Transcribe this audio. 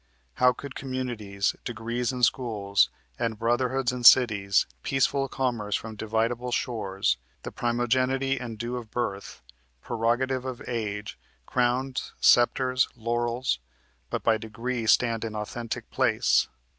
How could communities, Degrees in schools, and brotherhoods in cities, Peaceful commerce from dividable shores, The primogenity and due of birth, Prerogative of age, crowns, scepters, laurels, But by degree stand in authentic place?